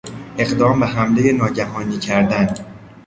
اقدام به حملهی ناگهانی کردن